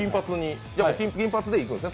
金髪でいくんですね？